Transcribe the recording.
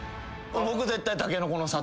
僕絶対たけのこの里。